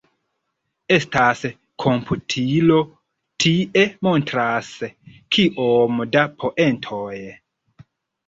Estas komputilo tie montras kiom da poentoj.